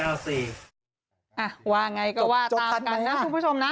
ว่าไงก็ว่าตามกันนะคุณผู้ชมนะ